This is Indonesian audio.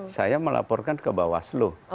saya melaporkan ke bawah aslu